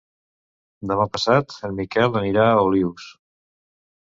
Demà passat en Miquel anirà a Olius.